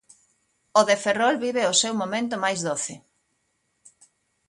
O de Ferrol vive o seu momento máis doce.